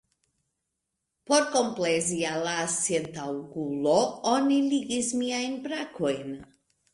Por komplezi al la sentaŭgulo, oni ligis miajn brakojn.